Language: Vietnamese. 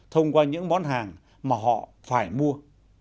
thông qua những món hàng mà họ phải mua